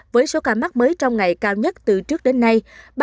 với số ca mắc mới trong ngày cao nhất từ trước đến nay